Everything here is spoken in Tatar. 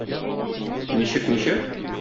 Ничек, ничек?